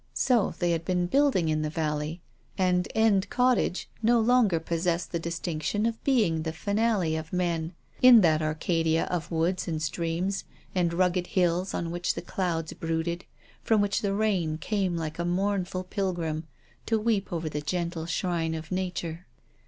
So they had been build ing in the valley, and End Cottage no longer pos sessed the distinction of being the finale of man in that Arcadia of woods and streams, and rugged hills on which the clouds brooded, from which the rain came like a mournful pilgrim, to weep over the gentle shrine of nature.